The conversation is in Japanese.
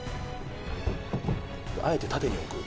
あえて縦に置く。